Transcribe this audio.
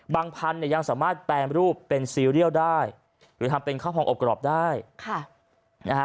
พันธุ์เนี่ยยังสามารถแปรรูปเป็นซีเรียลได้หรือทำเป็นข้าวพองอบกรอบได้ค่ะนะฮะ